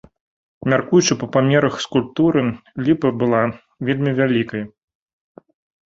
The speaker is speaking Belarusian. Мяркуючы па памерах скульптуры, ліпа была вельмі вялікай.